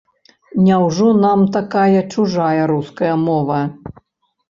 Няўжо нам такая чужая руская мова?